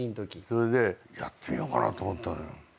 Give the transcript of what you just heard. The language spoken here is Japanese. それでやってみようと思ったの。